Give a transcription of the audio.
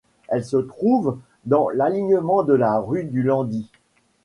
Elle se trouve dans l'alignement de la rue du Landy.